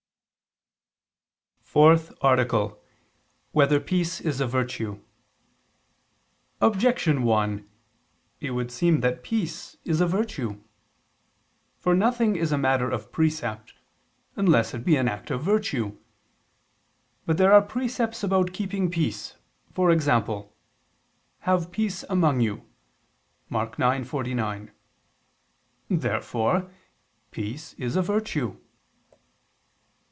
_______________________ FOURTH ARTICLE [II II, Q. 29, Art. 4] Whether Peace Is a Virtue? Objection 1: It would seem that peace is a virtue. For nothing is a matter of precept, unless it be an act of virtue. But there are precepts about keeping peace, for example: "Have peace among you" (Mk. 9:49). Therefore peace is a virtue.